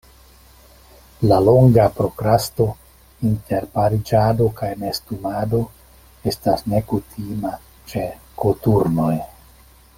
La longa prokrasto inter pariĝado kaj nestumado estas nekutima ĉe koturnoj.